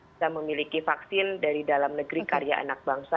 kita memiliki vaksin dari dalam negeri karya anak bangsa